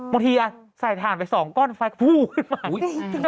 บางทีใส่ถ่านไป๒ก้อนไฟปู๊มา